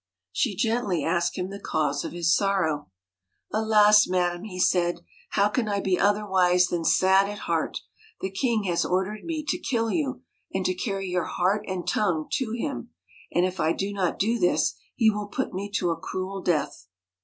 She gently asked him the cause of his sorrow. 4 Alas, madam!' he said, 'how can I be otherwise than sad at heart ? The king has ordered me to kill you, and to carry your heart and tongue to him ; and if I do not this, he will put me to a cruel death.'